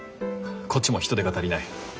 こっちも人手が足りない。